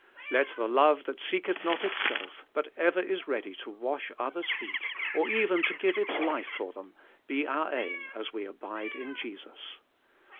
Let the love that seeketh not itself, but ever is ready to wash others' feet, or even to give its life for them, be our aim as we abide in Jesus.